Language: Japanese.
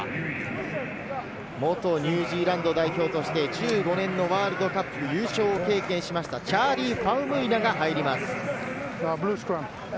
元ニュージーランド代表として、１５年のワールドカップで優勝を経験しました、チャーリー・ファウムイナが入ります。